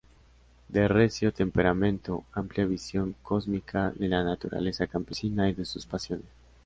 De recio temperamento, amplia visión cósmica de la naturaleza campesina y de sus pasiones.